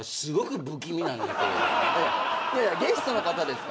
いやいやゲストの方ですから。